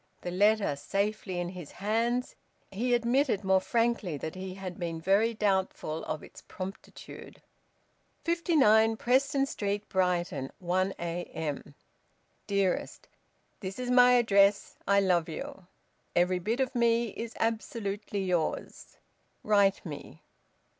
The letter safely in his hands he admitted more frankly that he had been very doubtful of its promptitude. "59 Preston Street, Brighton, 1 a.m. "Dearest, This is my address. I love you. Every bit of me is absolutely yours. Write me.